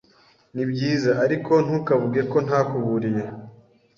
Nibyiza, ariko ntukavuge ko ntakuburiye.